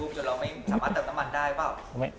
โดยเราไม่สามารถเติมตะมันได้หรือเปล่า